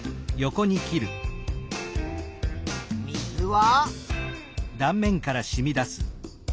水は？